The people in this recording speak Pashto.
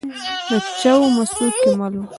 د چا ومه؟ څوک کې مل وه ؟